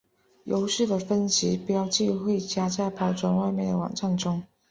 游戏的分级标志会加在包装外面和网站中。